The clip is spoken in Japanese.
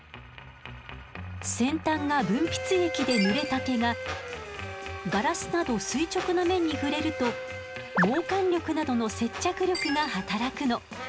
先端が分泌液でぬれた毛がガラスなど垂直な面に触れると毛管力などの接着力が働くの。